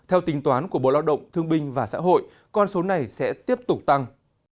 theo tính toán của bộ lao động thương binh và xã hội con số này sẽ tiếp tục tăng